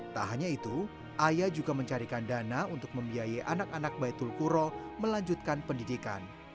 tak hanya itu ayah juga mencarikan dana untuk membiayai anak anak baitul kura melanjutkan pendidikan